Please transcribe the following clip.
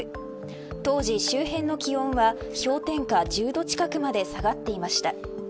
当時、周辺の気温は氷点下１０度近くまで下がっていました。